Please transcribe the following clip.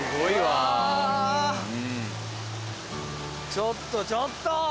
ちょっとちょっと。